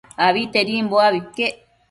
Abitedimbo abi iquec